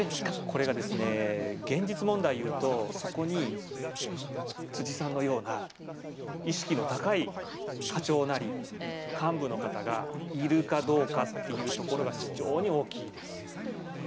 これが現実問題を言うとそこに辻さんのような意識の高い課長なり幹部の方がいるかどうかっていうところが非常に大きいです、現実問題は。